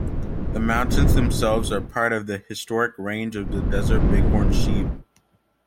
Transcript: The mountains themselves are part of the historic range of the Desert Bighorn Sheep.